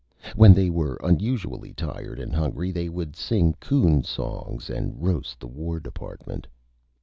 When they were unusually Tired and Hungry, they would sing Coon Songs and Roast the War Department.